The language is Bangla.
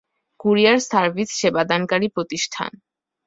কুরিয়ার সার্ভিস সেবাদানকারী প্রতিষ্ঠান।